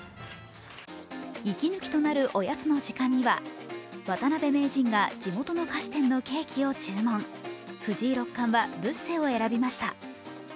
息抜きとなるおやつの時間には渡辺名人が地元の菓子店のケーキを注文藤井六冠はブッセを選びました。